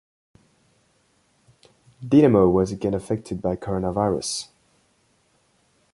Dinamo was again affected by coronavirus.